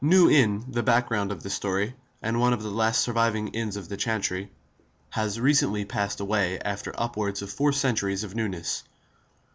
New Inn, the background of this story, and one of the last surviving inns of Chancery, has recently passed away after upwards of four centuries of newness.